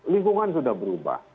lingkungan sudah berubah